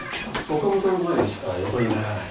岡元の前でしか横にならない。